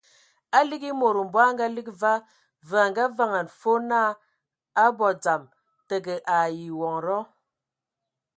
A ligi e mod mbɔg a ngaligi va, və a vaŋa fɔɔ naa a abɔ dzam, təgə ai ewonda.